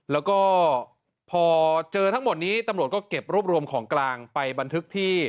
แล้วก็พอเจอทั้งหมดนี้ตำรวจก็เก็บรวบรวมของกลางไปบันทึกที่